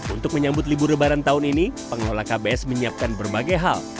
untuk menyambut libur lebaran tahun ini pengelola kbs menyiapkan berbagai hal